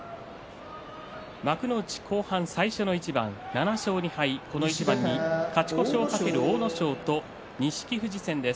幕内後半、最初の一番７勝２敗この一番に勝ち越しを懸ける阿武咲と錦富士戦です。